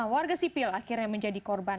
warga sipil akhirnya menjadi korban